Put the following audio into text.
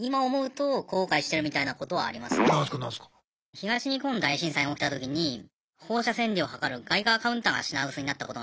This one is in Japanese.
東日本大震災が起きた時に放射線量を測るガイガーカウンターが品薄になったことがあるんですね。